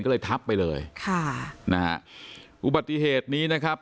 ก็เลยทับไปเลยค่ะนะฮะอุบัติเหตุนี้นะครับ